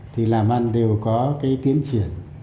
thì làm ăn đều có cái tiến triển